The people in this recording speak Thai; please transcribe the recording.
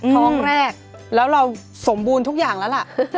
ท้องแรกแล้วเราสมบูรณ์ทุกอย่างแล้วล่ะ